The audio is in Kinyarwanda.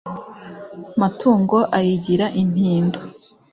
matungo ayigira intindo